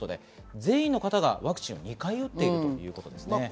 全員ワクチンを２回打っているということです。